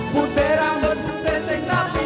putih rambut besi tetapi